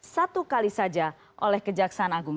satu kali saja oleh kejaksaan agung